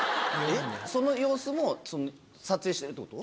その様子も撮影してるってこと？